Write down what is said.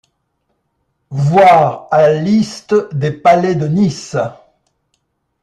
Voir à Liste des palais de Nice.